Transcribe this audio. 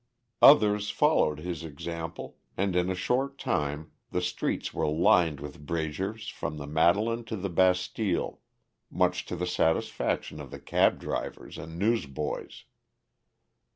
Others followed his example, and in a short time the streets were lined with braziers from the Madeline to the Bastile, much to the satisfaction of the cab drivers and newsboys.